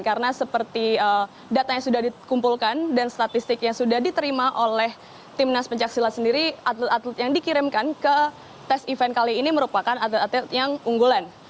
karena seperti data yang sudah dikumpulkan dan statistik yang sudah diterima oleh timnas pencaksilat sendiri atlet atlet yang dikirimkan ke tes event kali ini merupakan atlet atlet yang unggulan